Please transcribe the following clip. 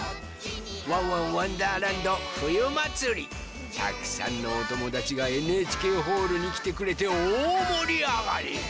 「ワンワンわんだーらんどふゆまつり」たくさんのおともだちがＮＨＫホールにきてくれておおもりあがり！